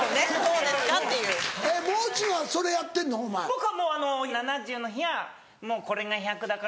僕は７０の日はもうこれが１００だから。